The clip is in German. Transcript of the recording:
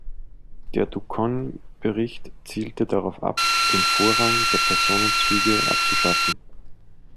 Der Duchoň -Bericht zielte darauf ab, den Vorrang der Personenzüge abzuschaffen.